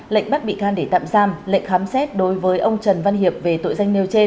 lệnh bắt bị can để tạm giam lệnh khám xét đối với ông trần văn hiệp về tội danh nêu trên